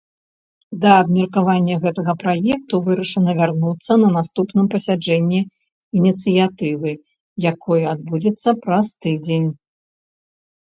Да абмеркавання гэтага праекту вырашана вярнуцца на наступным пасяджэнні ініцыятывы, якае адбудзецца праз тыдзень.